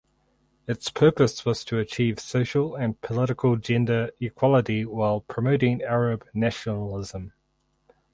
Its purpose was to achieve social and political gender equality while promoting Arab nationalism.